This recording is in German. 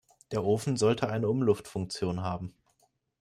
Der Ofen sollte eine Umluftfunktion haben.